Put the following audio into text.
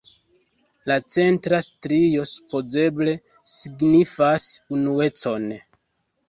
La centra strio supozeble signifas unuecon.